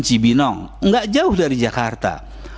cibinong nggak jauh dari jakarta